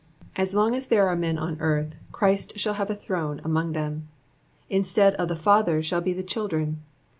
As long as there are men on earth Christ shall have a throne among them. Instead of the fathers shall be the children.